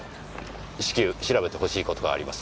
至急調べてほしい事があります。